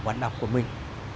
bản đọc của mình